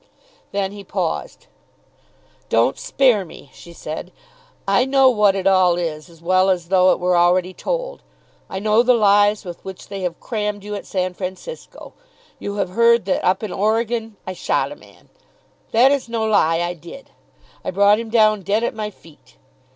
Then he paused. "Don't spare me," she said. "I know what it all is as well as though it were already told. I know the lies with which they have crammed you at San Francisco. You have heard that up in Oregon I shot a man. That is no lie. I did. I brought him down dead at my feet."